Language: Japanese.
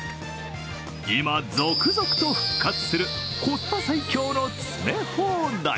今、続々と復活するコスパ最強の詰め放題。